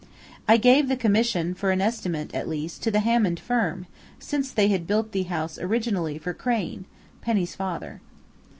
I gave the commission, for an estimate, at least, to the Hammond firm, since they had built the house originally for Crain Penny's father."